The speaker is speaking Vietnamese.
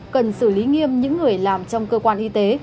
cần xử lý nghiêm những người làm trong cơ quan y tế